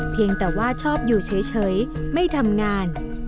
เพียงแต่ว่าชอบอยู่เฉยไม่ทำงาน